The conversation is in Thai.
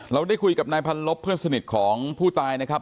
เราได้คุยกับนายพันลบเพื่อนสนิทของผู้ตายนะครับ